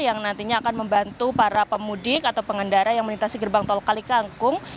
yang nantinya akan membantu para pemudik atau pengendara yang melintasi gerbang tol kalikangkung